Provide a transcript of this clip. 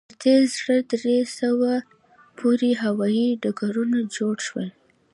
تر درې زره درې سوه پورې هوایي ډګرونه جوړ شول.